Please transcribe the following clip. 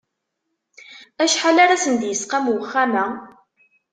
Acḥal ara sen-d-isqam uxxam-a?